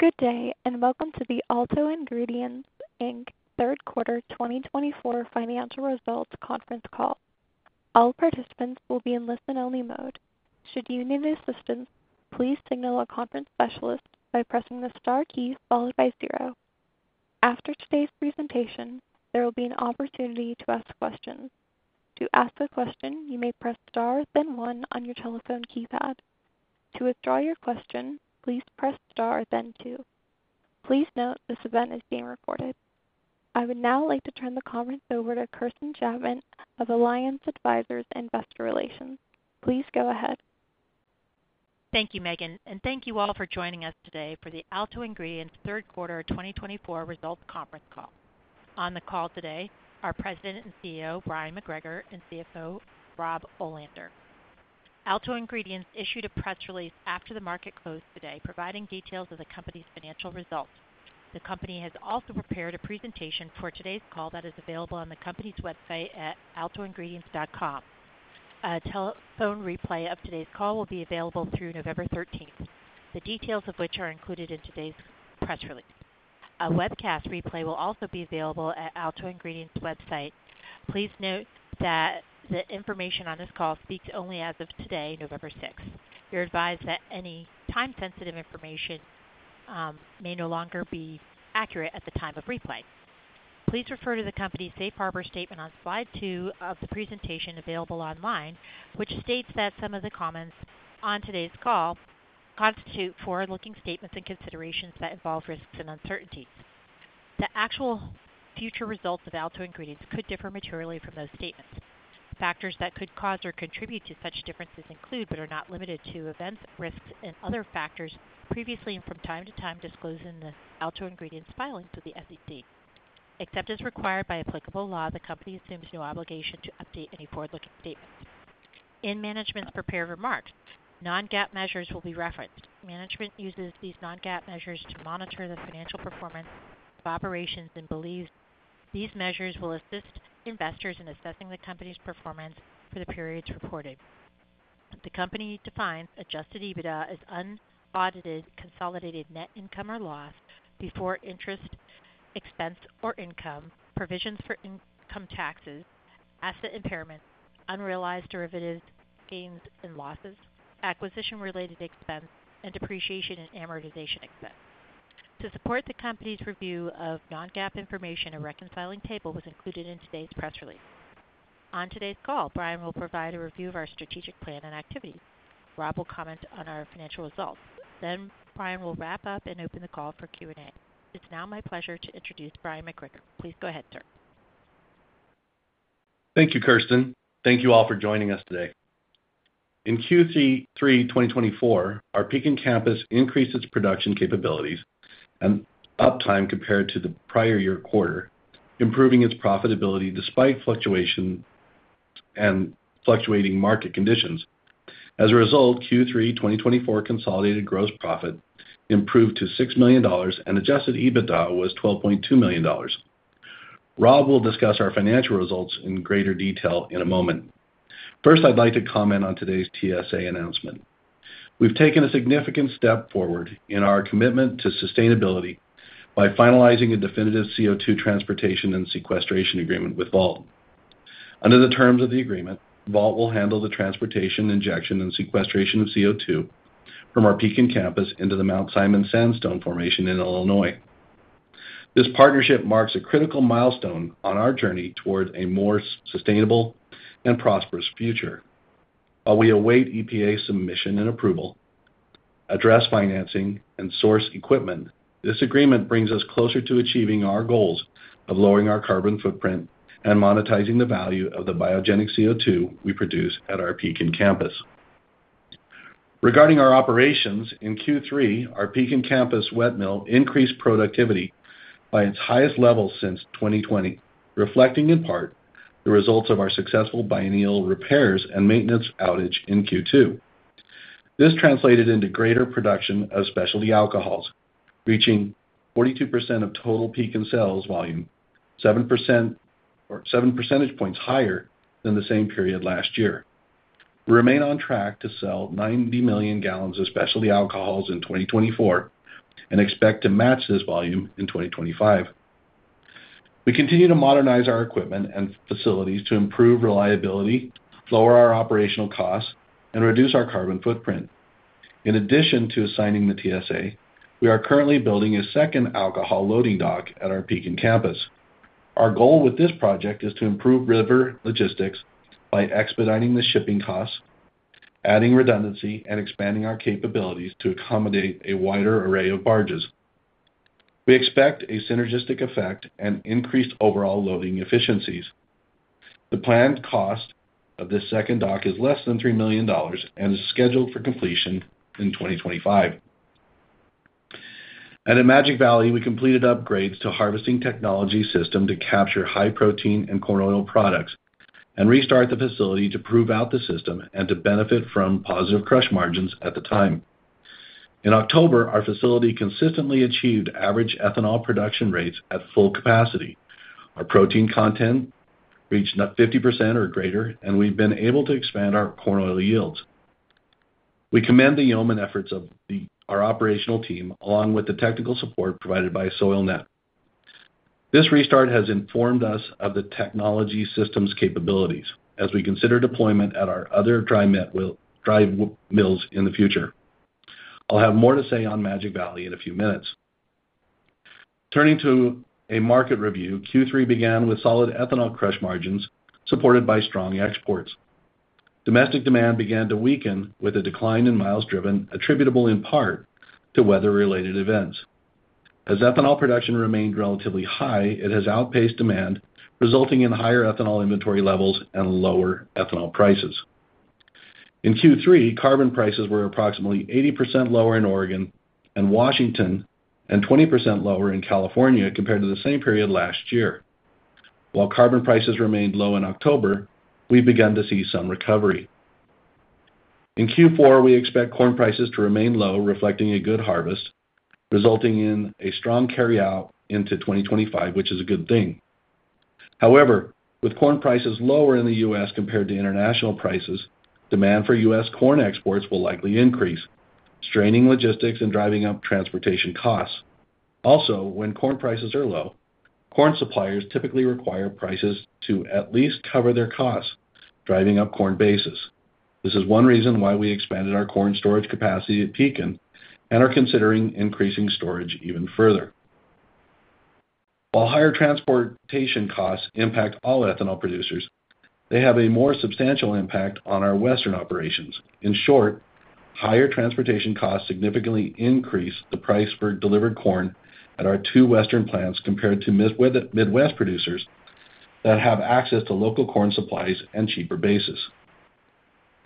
Good day, and welcome to the Alto Ingredients Inc. Third Quarter 2024 Financial Results Conference Call. All participants will be in listen-only mode. Should you need assistance, please signal a conference specialist by pressing the star key followed by zero. After today's presentation, there will be an opportunity to ask questions. To ask a question, you may press star then one on your telephone keypad. To withdraw your question, please press star then two. Please note this event is being recorded. I would now like to turn the conference over to Kirsten Chapman of Alliance Advisors Investor Relations. Please go ahead. Thank you, Megan, and thank you all for joining us today for the Alto Ingredients Third Quarter 2024 Results Conference Call. On the call today are President and CEO Bryon McGregor and CFO Rob Olander. Alto Ingredients issued a press release after the market closed today providing details of the company's financial results. The company has also prepared a presentation for today's call that is available on the company's website at altoingredients.com. A telephone replay of today's call will be available through November 13th, the details of which are included in today's press release. A webcast replay will also be available at Alto Ingredients' website. Please note that the information on this call speaks only as of today, November 6th. You're advised that any time-sensitive information may no longer be accurate at the time of replay. Please refer to the company's safe harbor statement on slide two of the presentation available online, which states that some of the comments on today's call constitute forward-looking statements and considerations that involve risks and uncertainties. The actual future results of Alto Ingredients could differ materially from those statements. Factors that could cause or contribute to such differences include, but are not limited to, events, risks, and other factors previously and from time to time disclosed in the Alto Ingredients filings with the SEC. Except as required by applicable law, the company assumes no obligation to update any forward-looking statements. In management's prepared remarks, non-GAAP measures will be referenced. Management uses these non-GAAP measures to monitor the financial performance of operations and believes these measures will assist investors in assessing the company's performance for the periods reported. The company defines adjusted EBITDA as unaudited consolidated net income or loss before interest, expense, or income, provisions for income taxes, asset impairment, unrealized derivatives, gains and losses, acquisition-related expense, and depreciation and amortization expense. To support the company's review of non-GAAP information, a reconciling table was included in today's press release. On today's call, Bryon will provide a review of our strategic plan and activities. Rob will comment on our financial results. Then Bryon will wrap up and open the call for Q&A. It's now my pleasure to introduce Bryon McGregor. Please go ahead, sir. Thank you, Kirsten. Thank you all for joining us today. In Q3 2024, our Pekin Campus increased its production capabilities and uptime compared to the prior year quarter, improving its profitability despite fluctuation and fluctuating market conditions. As a result, Q3 2024 consolidated gross profit improved to $6 million, and adjusted EBITDA was $12.2 million. Rob will discuss our financial results in greater detail in a moment. First, I'd like to comment on today's TSA announcement. We've taken a significant step forward in our commitment to sustainability by finalizing a definitive CO2 transportation and sequestration agreement with Vault. Under the terms of the agreement, Vault will handle the transportation, injection, and sequestration of CO2 from our Pekin Campus into the Mount Simon Sandstone formation in Illinois. This partnership marks a critical milestone on our journey toward a more sustainable and prosperous future. While we await EPA submission and approval, address financing, and source equipment, this agreement brings us closer to achieving our goals of lowering our carbon footprint and monetizing the value of the biogenic CO2 we produce at our Pekin Campus. Regarding our operations, in Q3, our Pekin Campus wet mill increased productivity by its highest level since 2020, reflecting in part the results of our successful biennial repairs and maintenance outage in Q2. This translated into greater production of specialty alcohols, reaching 42% of total Pekin sales volume, 7 percentage points higher than the same period last year. We remain on track to sell 90 million gallons of specialty alcohols in 2024 and expect to match this volume in 2025. We continue to modernize our equipment and facilities to improve reliability, lower our operational costs, and reduce our carbon footprint. In addition to assigning the TSA, we are currently building a second alcohol loading dock at our Pekin Campus. Our goal with this project is to improve river logistics by expediting the shipping costs, adding redundancy, and expanding our capabilities to accommodate a wider array of barges. We expect a synergistic effect and increased overall loading efficiencies. The planned cost of this second dock is less than $3 million and is scheduled for completion in 2025. At Magic Valley, we completed upgrades to Harvest Technology system to capture high protein and corn oil products and restart the facility to prove out the system and to benefit from positive crush margins at the time. In October, our facility consistently achieved average ethanol production rates at full capacity. Our protein content reached 50% or greater, and we've been able to expand our corn oil yields. We commend the yeoman efforts of our operational team, along with the technical support provided by SoilNet. This restart has informed us of the technology system's capabilities as we consider deployment at our other dry mills in the future. I'll have more to say on Magic Valley in a few minutes. Turning to a market review, Q3 began with solid ethanol crush margins supported by strong exports. Domestic demand began to weaken with a decline in miles driven, attributable in part to weather-related events. As ethanol production remained relatively high, it has outpaced demand, resulting in higher ethanol inventory levels and lower ethanol prices. In Q3, carbon prices were approximately 80% lower in Oregon and Washington and 20% lower in California compared to the same period last year. While carbon prices remained low in October, we've begun to see some recovery. In Q4, we expect corn prices to remain low, reflecting a good harvest, resulting in a strong carryout into 2025, which is a good thing. However, with corn prices lower in the U.S. compared to international prices, demand for U.S. corn exports will likely increase, straining logistics and driving up transportation costs. Also, when corn prices are low, corn suppliers typically require prices to at least cover their costs, driving up corn bases. This is one reason why we expanded our corn storage capacity at Pekin and are considering increasing storage even further. While higher transportation costs impact all ethanol producers, they have a more substantial impact on our Western operations. In short, higher transportation costs significantly increase the price for delivered corn at our two Western plants compared to Midwest producers that have access to local corn supplies and cheaper bases.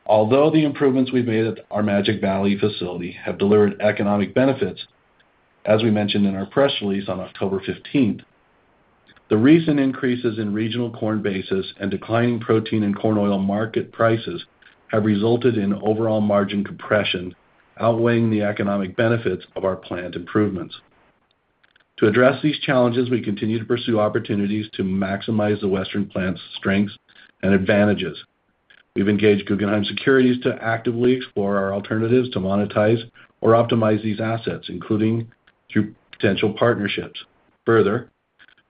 Although the improvements we've made at our Magic Valley facility have delivered economic benefits, as we mentioned in our press release on October 15th, the recent increases in regional corn bases and declining protein and corn oil market prices have resulted in overall margin compression outweighing the economic benefits of our plant improvements. To address these challenges, we continue to pursue opportunities to maximize the Western plant's strengths and advantages. We've engaged Guggenheim Securities to actively explore our alternatives to monetize or optimize these assets, including through potential partnerships. Further,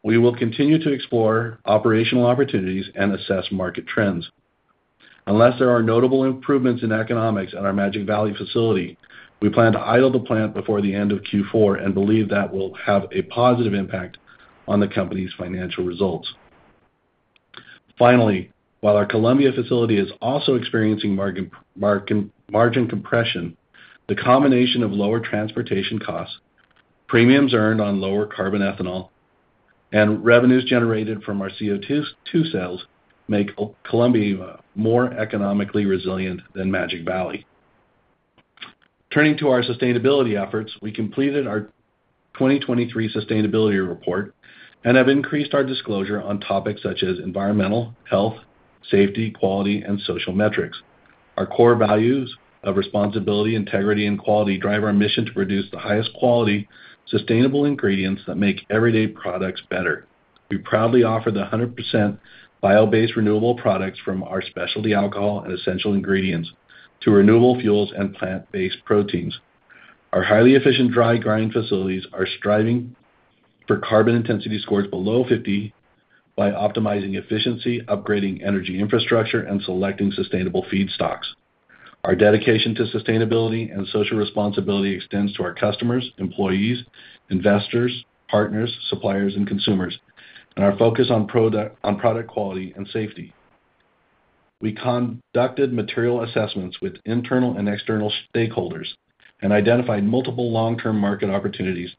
we will continue to explore operational opportunities and assess market trends. Unless there are notable improvements in economics at our Magic Valley facility, we plan to idle the plant before the end of Q4 and believe that will have a positive impact on the company's financial results. Finally, while our Columbia facility is also experiencing margin compression, the combination of lower transportation costs, premiums earned on lower carbon ethanol, and revenues generated from our CO2 sales make Columbia more economically resilient than Magic Valley. Turning to our sustainability efforts, we completed our 2023 sustainability report and have increased our disclosure on topics such as environmental, health, safety, quality, and social metrics. Our core values of responsibility, integrity, and quality drive our mission to produce the highest quality sustainable ingredients that make everyday products better. We proudly offer the 100% bio-based renewable products from our specialty alcohol and essential ingredients to renewable fuels and plant-based proteins. Our highly efficient dry grind facilities are striving for carbon intensity scores below 50 by optimizing efficiency, upgrading energy infrastructure, and selecting sustainable feedstocks. Our dedication to sustainability and social responsibility extends to our customers, employees, investors, partners, suppliers, and consumers, and our focus on product quality and safety. We conducted material assessments with internal and external stakeholders and identified multiple long-term market opportunities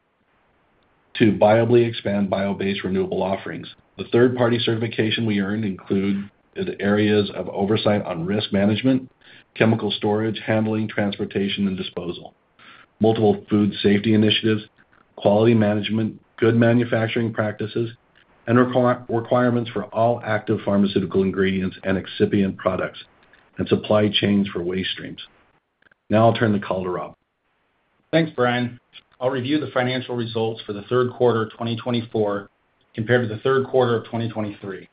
to viably expand bio-based renewable offerings. The third-party certification we earned includes the areas of oversight on risk management, chemical storage, handling, transportation, and disposal, multiple food safety initiatives, quality management, good manufacturing practices, and requirements for all active pharmaceutical ingredients and excipient products, and supply chains for waste streams. Now I'll turn the call to Rob. Thanks, Bryon. I'll review the financial results for the third quarter 2024 compared to the third quarter of 2023.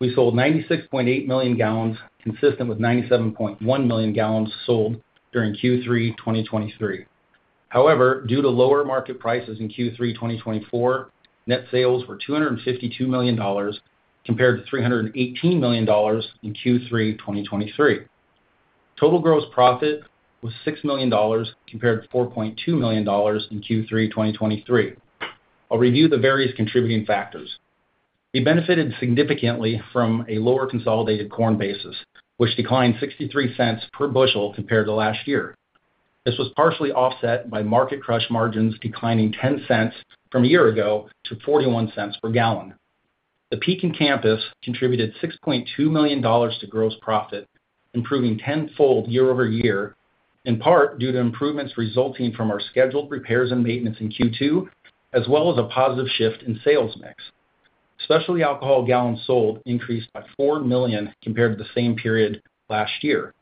We sold 96.8 million gallons, consistent with 97.1 million gallons sold during Q3 2023. However, due to lower market prices in Q3 2024, net sales were $252 million compared to $318 million in Q3 2023. Total gross profit was $6 million compared to $4.2 million in Q3 2023. I'll review the various contributing factors. We benefited significantly from a lower consolidated corn basis, which declined 63 cents per bushel compared to last year. This was partially offset by market crush margins declining 10 cents from a year ago to 41 cents per gallon. The Pekin Campus contributed $6.2 million to gross profit, improving tenfold year-over-year, in part due to improvements resulting from our scheduled repairs and maintenance in Q2, as well as a positive shift in sales mix. Specialty alcohol gallons sold increased by four million compared to the same period last year.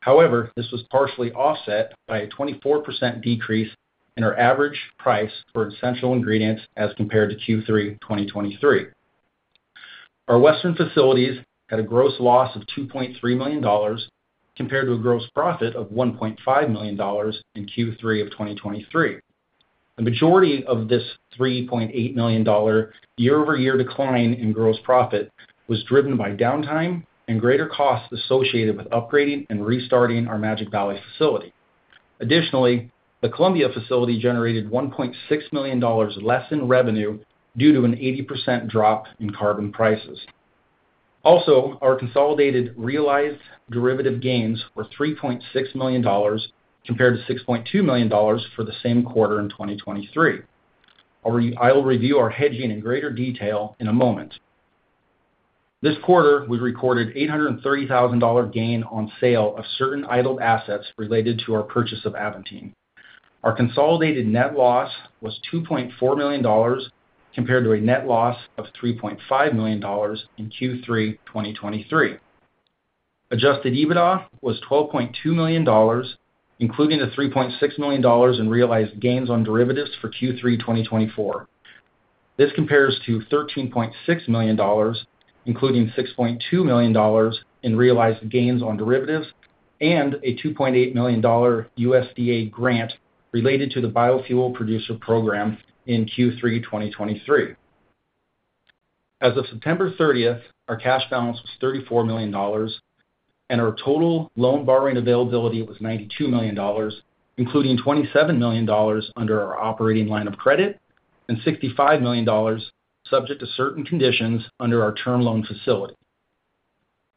However, this was partially offset by a 24% decrease in our average price for essential ingredients as compared to Q3 2023. Our Western facilities had a gross loss of $2.3 million compared to a gross profit of $1.5 million in Q3 of 2023. The majority of this $3.8 million year-over-year decline in gross profit was driven by downtime and greater costs associated with upgrading and restarting our Magic Valley facility. Additionally, the Columbia facility generated $1.6 million less in revenue due to an 80% drop in carbon prices. Also, our consolidated realized derivative gains were $3.6 million compared to $6.2 million for the same quarter in 2023. I'll review our hedging in greater detail in a moment. This quarter, we recorded an $830,000 gain on sale of certain idled assets related to our purchase of Aventine. Our consolidated net loss was $2.4 million compared to a net loss of $3.5 million in Q3 2023. Adjusted EBITDA was $12.2 million, including the $3.6 million in realized gains on derivatives for Q3 2024. This compares to $13.6 million, including $6.2 million in realized gains on derivatives and a $2.8 million USDA grant related to the biofuel producer program in Q3 2023. As of September 30th, our cash balance was $34 million, and our total loan borrowing availability was $92 million, including $27 million under our operating line of credit and $65 million subject to certain conditions under our term loan facility.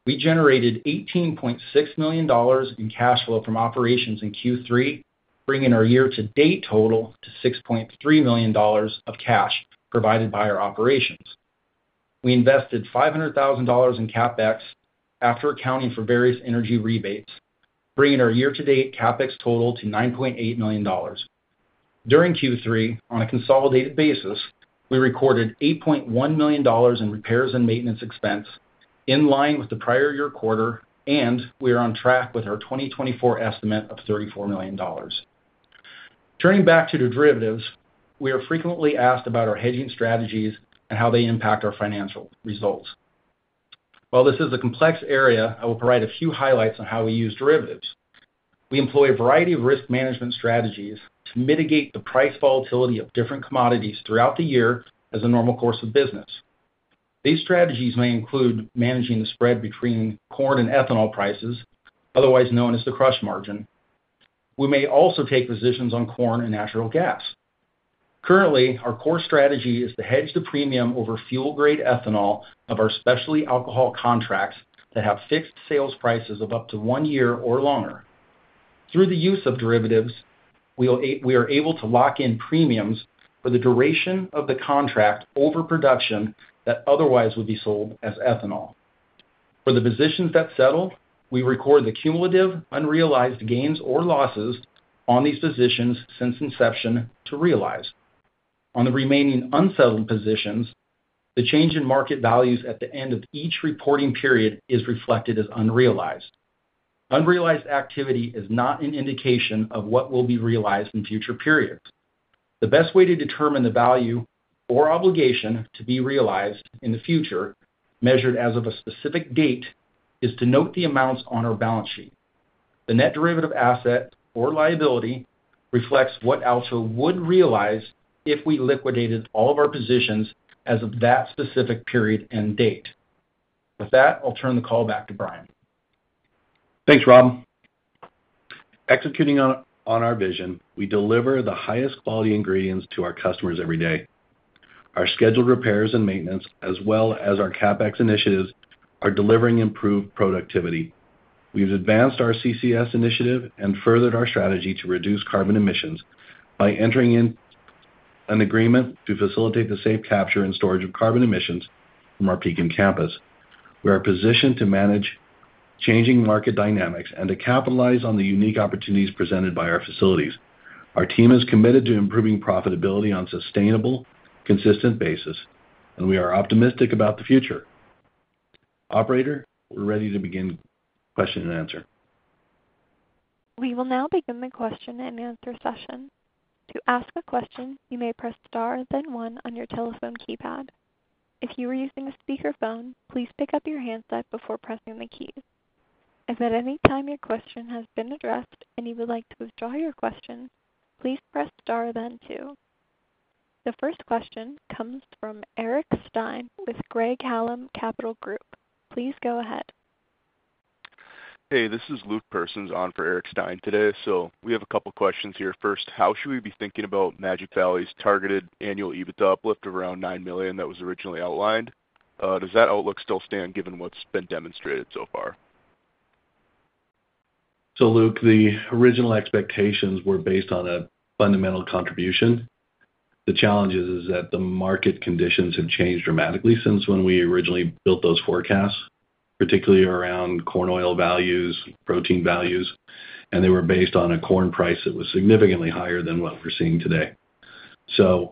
We generated $18.6 million in cash flow from operations in Q3, bringing our year-to-date total to $6.3 million of cash provided by our operations. We invested $500,000 in CapEx after accounting for various energy rebates, bringing our year-to-date CapEx total to $9.8 million. During Q3, on a consolidated basis, we recorded $8.1 million in repairs and maintenance expense in line with the prior year quarter, and we are on track with our 2024 estimate of $34 million. Turning back to derivatives, we are frequently asked about our hedging strategies and how they impact our financial results. While this is a complex area, I will provide a few highlights on how we use derivatives. We employ a variety of risk management strategies to mitigate the price volatility of different commodities throughout the year as a normal course of business. These strategies may include managing the spread between corn and ethanol prices, otherwise known as the crush margin. We may also take positions on corn and natural gas. Currently, our core strategy is to hedge the premium over fuel-grade ethanol of our specialty alcohol contracts that have fixed sales prices of up to one year or longer. Through the use of derivatives, we are able to lock in premiums for the duration of the contract over production that otherwise would be sold as ethanol. For the positions that settle, we record the cumulative unrealized gains or losses on these positions since inception to realize. On the remaining unsettled positions, the change in market values at the end of each reporting period is reflected as unrealized. Unrealized activity is not an indication of what will be realized in future periods. The best way to determine the value or obligation to be realized in the future, measured as of a specific date, is to note the amounts on our balance sheet. The net derivative asset or liability reflects what Alto would realize if we liquidated all of our positions as of that specific period and date. With that, I'll turn the call back to Bryon. Thanks, Rob. Executing on our vision, we deliver the highest quality ingredients to our customers every day. Our scheduled repairs and maintenance, as well as our CapEx initiatives, are delivering improved productivity. We've advanced our CCS initiative and furthered our strategy to reduce carbon emissions by entering in an agreement to facilitate the safe capture and storage of carbon emissions from our Pekin campus. We are positioned to manage changing market dynamics and to capitalize on the unique opportunities presented by our facilities. Our team is committed to improving profitability on a sustainable, consistent basis, and we are optimistic about the future. Operator, we're ready to begin question and answer. We will now begin the question and answer session. To ask a question, you may press star then one on your telephone keypad. If you are using a speakerphone, please pick up your handset before pressing the keys. If at any time your question has been addressed and you would like to withdraw your question, please press star then two. The first question comes from Eric Stine with Craig-Hallum Capital Group. Please go ahead. Hey, this is Luke Persons on for Eric Stine today. So we have a couple of questions here. First, how should we be thinking about Magic Valley's targeted annual EBITDA uplift of around $9 million that was originally outlined? Does that outlook still stand given what's been demonstrated so far? So Luke, the original expectations were based on a fundamental contribution. The challenge is that the market conditions have changed dramatically since when we originally built those forecasts, particularly around corn oil values, protein values, and they were based on a corn price that was significantly higher than what we're seeing today. So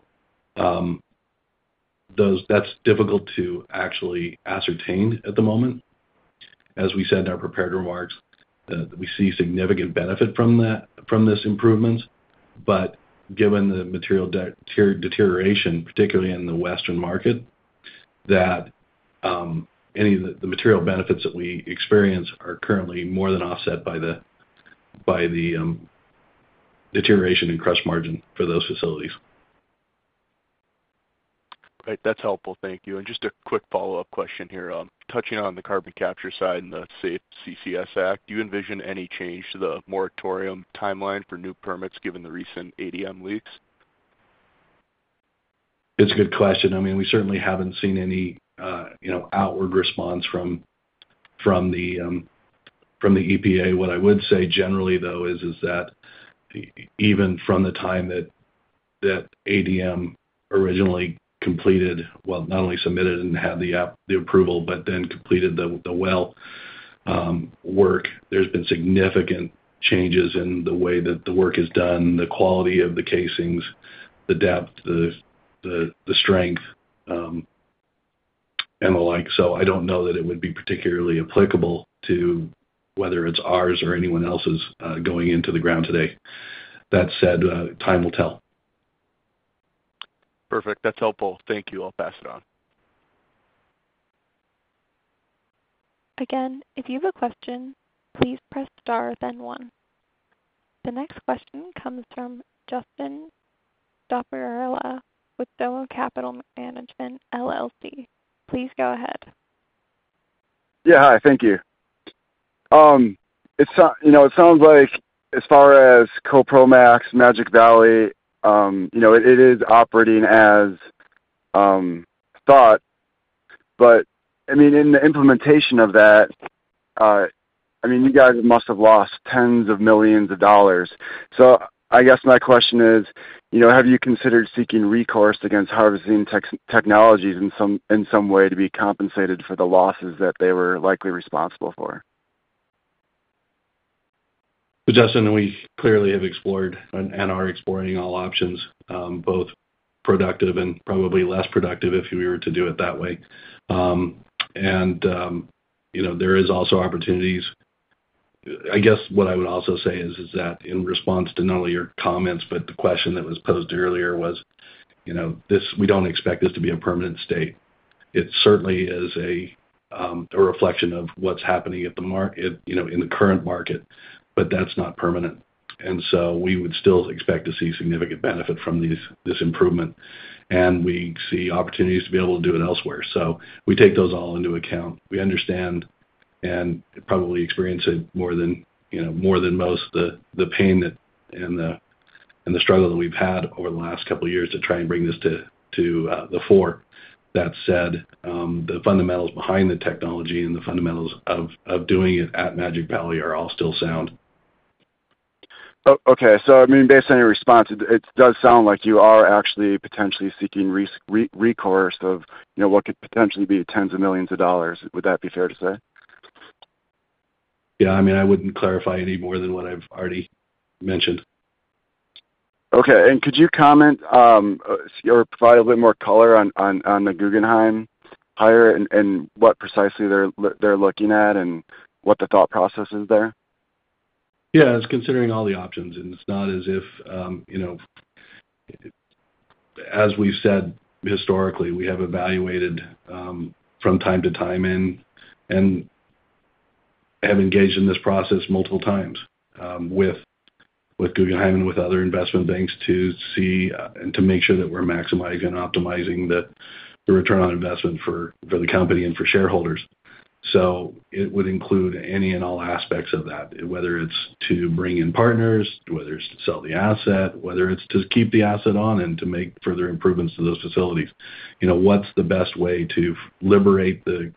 that's difficult to actually ascertain at the moment. As we said in our prepared remarks, we see significant benefit from this improvement. But given the material deterioration, particularly in the Western market, that any of the material benefits that we experience are currently more than offset by the deterioration in crush margin for those facilities. All right. That's helpful. Thank you. And just a quick follow-up question here. Touching on the carbon capture side and the SAFE CCS Act, do you envision any change to the moratorium timeline for new permits given the recent ADM leaks? It's a good question. I mean, we certainly haven't seen any outward response from the EPA. What I would say generally, though, is that even from the time that ADM originally completed, well, not only submitted and had the approval, but then completed the well work, there's been significant changes in the way that the work is done, the quality of the casings, the depth, the strength, and the like. So I don't know that it would be particularly applicable to whether it's ours or anyone else's going into the ground today. That said, time will tell. Perfect. That's helpful. Thank you. I'll pass it on. Again, if you have a question, please press star then one. The next question comes from Justin Dopierala with Dome Capital Management LLC. Please go ahead. Yeah. Hi. Thank you. It sounds like as far as CoProMax Magic Valley, it is operating as thought. But I mean, in the implementation of that, I mean, you guys must have lost tens of millions of dollars. So I guess my question is, have you considered seeking recourse against Harvest Technology in some way to be compensated for the losses that they were likely responsible for? So Justin, we clearly have explored and are exploring all options, both productive and probably less productive if we were to do it that way. And there are also opportunities. I guess what I would also say is that in response to not only your comments, but the question that was posed earlier was, we don't expect this to be a permanent state. It certainly is a reflection of what's happening in the current market, but that's not permanent. And so we would still expect to see significant benefit from this improvement, and we see opportunities to be able to do it elsewhere. So we take those all into account. We understand and probably experience it more than most of the pain and the struggle that we've had over the last couple of years to try and bring this to the fore. That said, the fundamentals behind the technology and the fundamentals of doing it at Magic Valley are all still sound. Okay, so I mean, based on your response, it does sound like you are actually potentially seeking recourse of what could potentially be tens of millions of dollars. Would that be fair to say? Yeah. I mean, I wouldn't clarify any more than what I've already mentioned. Okay. And could you comment or provide a little bit more color on the Guggenheim hire and what precisely they're looking at and what the thought process is there? Yeah. It's considering all the options, and it's not as if, as we've said historically, we have evaluated from time to time and have engaged in this process multiple times with Guggenheim and with other investment banks to see and to make sure that we're maximizing and optimizing the return on investment for the company and for shareholders. So it would include any and all aspects of that, whether it's to bring in partners, whether it's to sell the asset, whether it's to keep the asset on and to make further improvements to those facilities. What's the best way to liberate the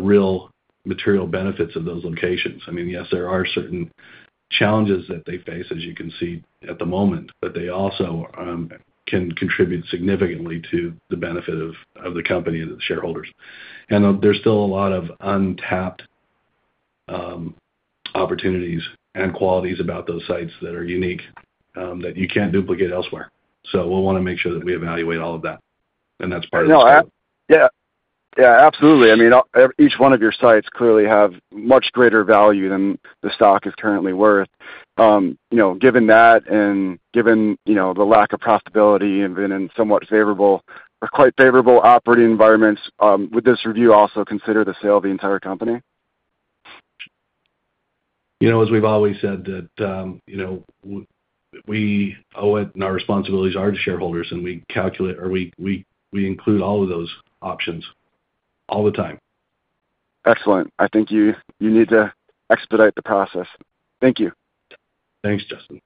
real material benefits of those locations? I mean, yes, there are certain challenges that they face, as you can see at the moment, but they also can contribute significantly to the benefit of the company and the shareholders. And there's still a lot of untapped opportunities and qualities about those sites that are unique that you can't duplicate elsewhere. So we'll want to make sure that we evaluate all of that, and that's part of the strategy. Yeah. Yeah. Absolutely. I mean, each one of your sites clearly has much greater value than the stock is currently worth. Given that and given the lack of profitability and somewhat favorable or quite favorable operating environments, would this review also consider the sale of the entire company? As we've always said, we owe it, and our responsibilities are to shareholders, and we calculate or we include all of those options all the time. Excellent. I think you need to expedite the process. Thank you. Thanks, Justin.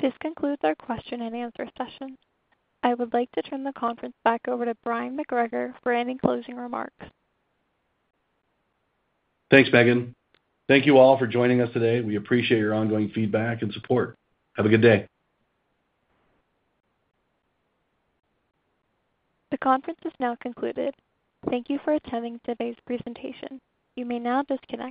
This concludes our question and answer session. I would like to turn the conference back over to Bryon McGregor for any closing remarks. Thanks, Megan. Thank you all for joining us today. We appreciate your ongoing feedback and support. Have a good day. The conference is now concluded. Thank you for attending today's presentation. You may now disconnect.